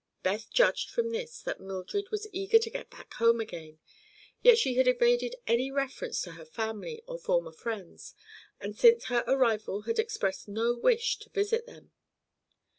Beth judged from this that Mildred was eager to get back home again; yet she had evaded any reference to her family or former friends, and since her arrival had expressed no wish to visit them.